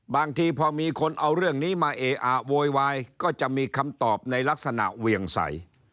บางทีพอมีคนเอาเรื่องนี้มาเออะโวยวายก็จะมีคำตอบในลักษณะเวียงใส